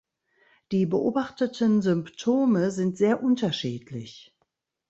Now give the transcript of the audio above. Die beobachteten Symptome sind sehr unterschiedlich.